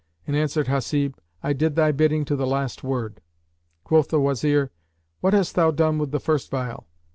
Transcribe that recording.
and answered Hasib, "I did thy bidding to the last word." Quoth the Wazir, "What hast thou done with the first phial?"